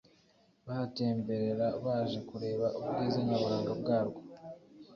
bahatemberera baje kureba ubwiza nyaburanga bwarwo,